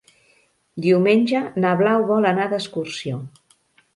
Diumenge na Blau vol anar d'excursió.